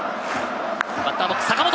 バッターボックス、坂本！